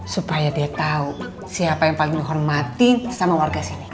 supaya dia tahu siapa yang paling menghormati sama warga sini